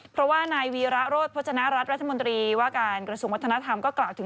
พี่มดจะใส่ไหมวะ